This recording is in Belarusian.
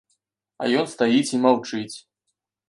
А ён стаіць і маўчыць.